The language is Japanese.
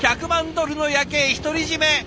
１００万ドルの夜景独り占め！